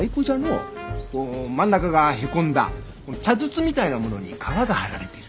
真ん中がへこんだ茶筒みたいなものに革が張られてる。